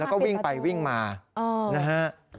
แล้วก็วิ่งไปวิ่งมานะฮะ